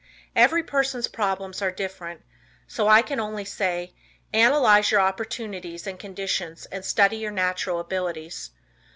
Every person's problems are different, so I can only say "analyze your opportunities and conditions and study your natural abilities."